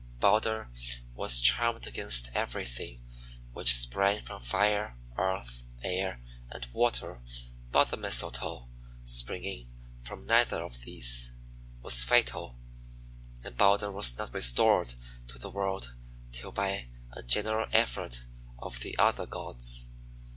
Balder was charmed against everything which sprang from fire, earth, air, and water, but the Mistletoe, springing from neither of these, was fatal, and Balder was not restored to the world till by a general effort of the other gods.